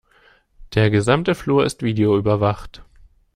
Der gesamte Flur ist videoüberwacht.